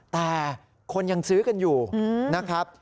แต่คนยังซื้อกันอยู่นะครับ